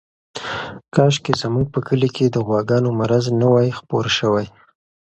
کاشکې زموږ په کلي کې د غواګانو مرض نه وای خپور شوی.